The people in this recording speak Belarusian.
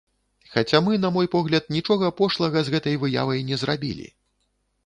Хаця мы, на мой погляд, нічога пошлага з гэтай выявай не зрабілі.